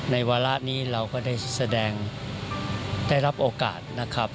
วาระนี้เราก็ได้แสดงได้รับโอกาสนะครับ